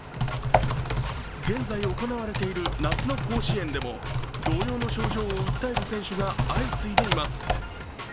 現在行われている夏の甲子園でも、同様の症状を訴える選手が相次いでいます。